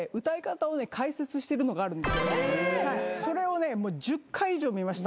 それをね１０回以上見ました。